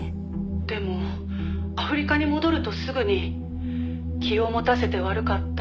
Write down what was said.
「でもアフリカに戻るとすぐに“気を持たせて悪かった。